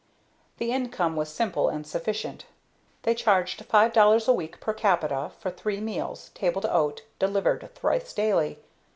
The income was simple and sufficient. They charged $5.00 a week per capita for three meals, table d'hote, delivered thrice daily.